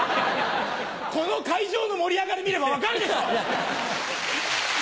この会場の盛り上がり見れば分かるでしょ！